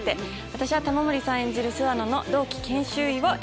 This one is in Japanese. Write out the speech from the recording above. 私は玉森さん演じる諏訪野の同期研修医を演じます。